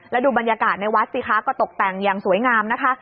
แล้วดูบรรยากาศในวัดสิคะก็ตกแต่งอย่างสวยงามนะคะ